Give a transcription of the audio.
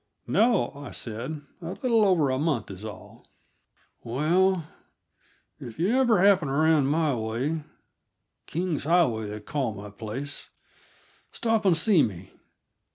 "No," I said; "a little over a month is all." "Well, if you ever happen around my way King's Highway, they call my place stop and see me.